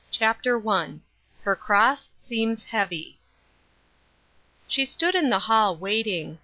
CHAPTER I. HEB CB0S8 SEEMS HEAVY. ;HE stood in the hall, waiting.